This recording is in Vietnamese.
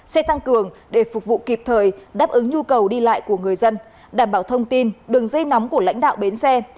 xe tăng cường để phục vụ kịp thời đáp ứng nhu cầu đi lại của người dân đảm bảo thông tin đường dây nóng của lãnh đạo bến xe